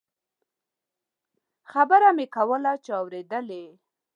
خبره مې دا کوله چې اورېدلې.